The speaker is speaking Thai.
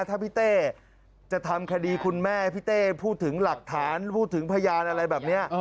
ถ้าพี่เต้จะทำคดีคุณแม่พี่เต้พูดถึงหลักฐานพูดถึงพยานอะไรแบบนี้